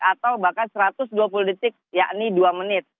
atau bahkan satu ratus dua puluh detik yakni dua menit